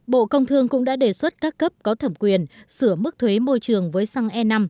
bộ công thương cũng đã đề xuất các cấp có thẩm quyền sửa mức thuế môi trường với xăng e năm